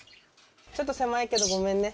ちょっと狭いけどごめんね。